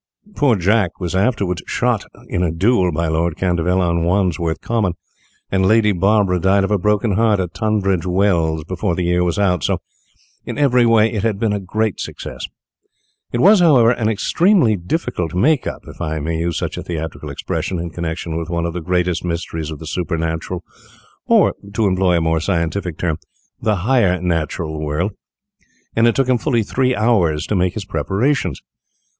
Poor Jack was afterwards shot in a duel by Lord Canterville on Wandsworth Common, and Lady Barbara died of a broken heart at Tunbridge Wells before the year was out, so, in every way, it had been a great success. It was, however an extremely difficult "make up," if I may use such a theatrical expression in connection with one of the greatest mysteries of the supernatural, or, to employ a more scientific term, the higher natural world, and it took him fully three hours to make his preparations.